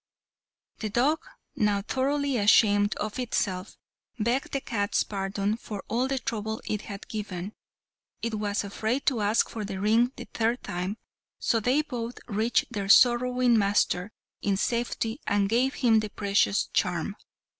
The dog, now thoroughly ashamed of itself, begged the cat's pardon for all the trouble it had given. It was afraid to ask for the ring the third time, so they both reached their sorrowing master in safety and gave him the precious charm.